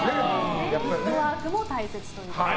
フットワークも大切ということで。